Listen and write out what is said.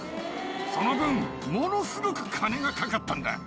その分ものすごく金がかかったんだ。